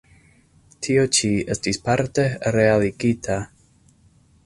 Tio ĉi estis parte realigita.